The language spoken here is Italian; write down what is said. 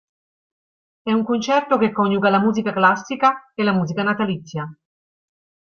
È un concerto che coniuga la musica classica e la musica natalizia.